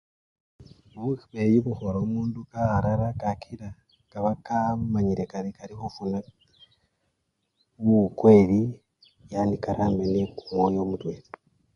Bubeyi bukhola omundu kakhalala kakila nekaba kamanyile kari kali khufuna buwukweli yani karambe nekumwoyo mutwela.